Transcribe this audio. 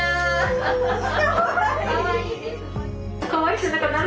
かわいい。